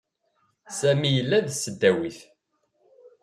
Sami yella deg tesdawit.